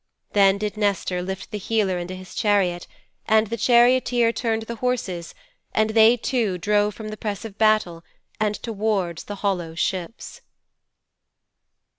Then did Nestor lift the healer into his chariot, and the charioteer turned the horses and they too drove from the press of battle and towards the hollow ships.'